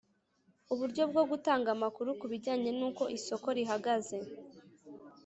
uburyo bwo gutanga amakuru ku bijyanye n'uko isoko rihagaze